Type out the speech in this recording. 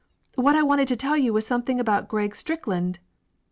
What I wanted to tell you was something about Greg Strick land!"